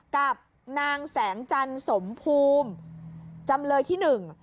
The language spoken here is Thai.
กับนางแสงจันทร์สมภูมิจำเลยที่หนึ่ง